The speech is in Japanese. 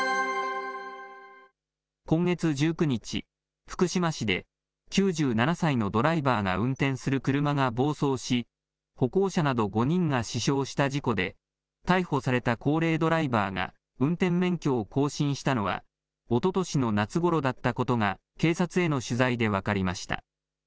今月１９日、福島市で９７歳のドライバーが運転する車が暴走し、歩行者など５人が死傷した事故で、逮捕された高齢ドライバーが運転免許を更新したのはおととしの夏ごろだったことが、警察への取材で分かりました。